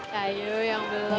ya yuk yang belum